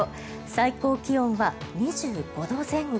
最高気温は２５度前後。